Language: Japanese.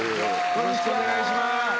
よろしくお願いします